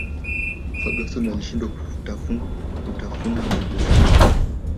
ferguson alishindwa kutafuna jojo zake